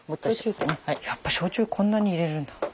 やっぱ焼酎こんなに入れるんだ。